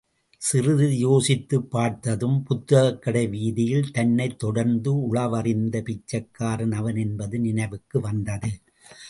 சிறிது யோசித்துப் பார்த்ததும், புத்தகக்கடை வீதியில் தன்னைத் தொடர்ந்து உளவறிந்த பிச்சைக்காரன் அவன் என்பது நினைவுக்கு வந்ததது.